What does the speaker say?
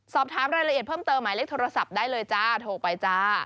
สอบถามรายละเอียดเพิ่มเติมหมายเลขโทรศัพท์ได้เลยจ้าโทรไปจ้า